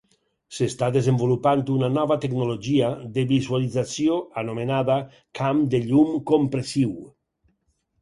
S'està desenvolupant una nova tecnologia de visualització anomenada "camp de llum compressiu".